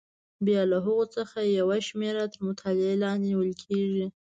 بیا له هغو څخه یوه شمېره تر مطالعې لاندې نیول کېږي.